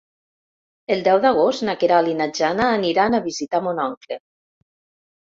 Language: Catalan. El deu d'agost na Queralt i na Jana aniran a visitar mon oncle.